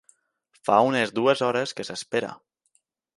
Fa unes dues hores que s'espera.